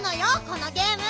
このゲーム！